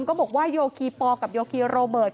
ก็บอกว่าโยคีปอลกับโยคีโรเบิร์ต